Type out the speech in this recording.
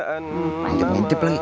ganti pengintip lagi